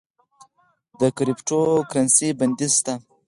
د کریپټو کرنسی بندیز شته؟